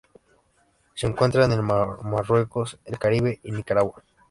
Se encuentra en el Marruecos, el Caribe y Nicaragua.